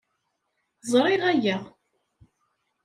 Ẓriɣ aya.